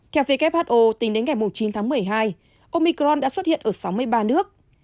theo who tính đến ngày chín tháng một mươi hai omicron đã xuất hiện ở sáu mươi ba nước